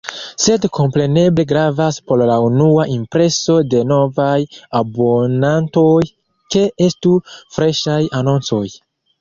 Sed kompreneble gravas por la unua impreso de novaj abonantoj, ke estu freŝaj anoncoj.